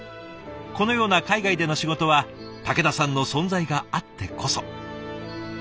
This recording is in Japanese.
このような海外での仕事は武田さんの存在があってこそ。